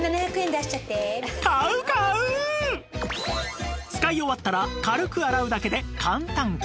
使い終わったら軽く洗うだけで簡単きれいに！